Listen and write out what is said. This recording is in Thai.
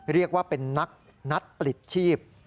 เรียกว่าเป็นนักนัดปลิดชีพ